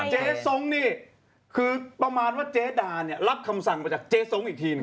เจ๊ส้งนี่คือประมาณว่าเจดาเนี่ยรับคำสั่งมาจากเจ๊ส้งอีกทีหนึ่ง